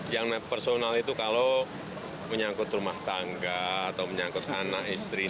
yang personal itu kalau menyangkut rumah tangga atau menyangkut anak istri